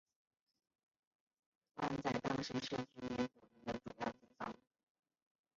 湾仔当时是居民捕鱼的主要地方。